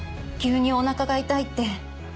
急におなかが痛いって。